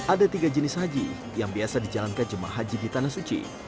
ada tiga jenis haji yang biasa dijalankan jemaah haji di tanah suci